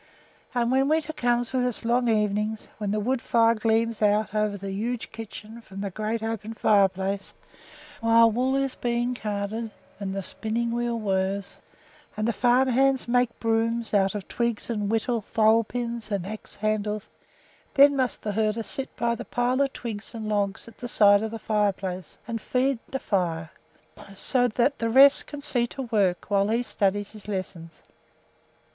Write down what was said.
And when winter comes with its long evenings, when the wood fire gleams out over the huge kitchen from the great open fireplace, while wool is being carded and the spinning wheel whirs, and the farm hands make brooms out of twigs and whittle thole pins and ax handles, then must the herder sit by the pile of twigs and logs at the side of the fireplace and feed the fire so that the rest can see to work while he studies his lessons.